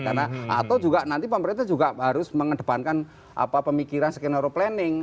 karena atau juga nanti pemerintah juga harus mengedepankan pemikiran skenero planning